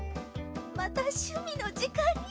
また趣味の時間に。